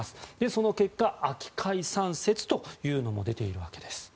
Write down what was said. その結果、秋解散説というのも出ているわけです。